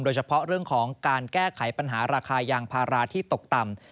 โดยเฉพาะเรื่องของการแก้ไขปัญหาราคายางพาราที่ตกต่ำ